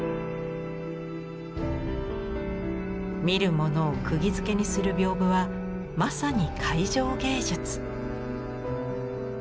見る者をくぎづけにする屏風はまさに会場芸術。